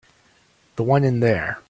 The one in there.